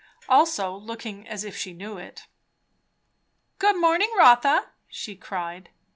Also looking as if she knew it. "Good morning, Rotha!" she cried.